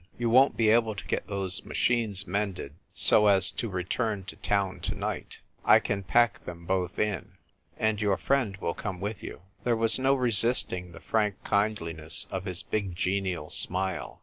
You won't be able to get those machines mended so as to return to town to night. I can pack them both in. And your friend will come with you." There was no resisting the frank kindliness of his big genial smile.